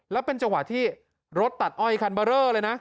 และเป็นเจ้าหวะที่รถตัดอ้อยอีกทางเบอร์เรอร์เลยนะ